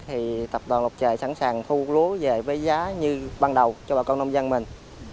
thì tập đoàn lộc trời sẵn sàng thu lúa về với giá như ban đầu cho bà con nông dân mình